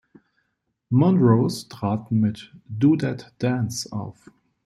Monrose traten mit "Do That Dance" auf.